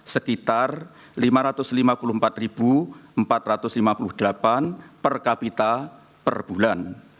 sekitar rp lima ratus lima puluh empat empat ratus lima puluh delapan per kapita per bulan